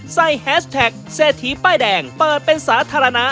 แฮชแท็กเศรษฐีป้ายแดงเปิดเป็นสาธารณะ